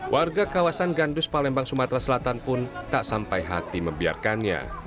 warga kawasan gandus palembang sumatera selatan pun tak sampai hati membiarkannya